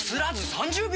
３０秒！